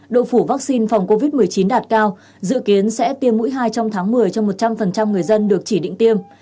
độ phủ vaccine phòng covid một mươi chín đạt cao dự kiến sẽ tiêm mũi hai trong tháng một mươi cho một trăm linh người dân được chỉ định tiêm